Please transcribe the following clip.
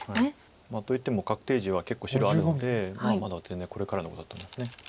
といっても確定地は結構白あるのでまあまだ全然これからの碁だと思います。